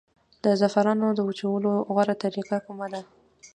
د زعفرانو د وچولو غوره طریقه کومه ده؟